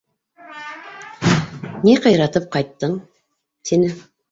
Ни ҡыйратып ҡайттың? — тине.